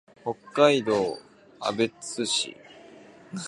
北海道芦別市